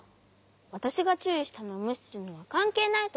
わたしがちゅういしたのをむしするのはかんけいないとおもうし。